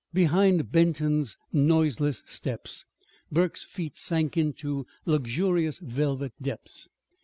Behind Benton's noiseless steps Burke's feet sank into luxurious velvet depths.